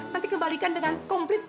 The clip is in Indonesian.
nanti kebalikan dengan komplit